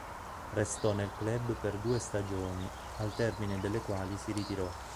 Restò nel club per due stagioni, al termine delle quali si ritirò.